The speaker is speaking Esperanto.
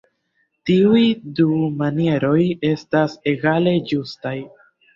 Tiuj du manieroj estas egale ĝustaj.